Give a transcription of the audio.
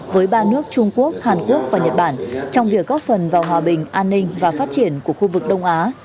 với ba nước trung quốc hàn quốc và nhật bản trong việc góp phần vào hòa bình an ninh và phát triển của khu vực đông á